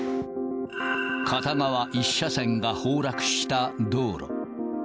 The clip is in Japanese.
片側１車線が崩落した道路。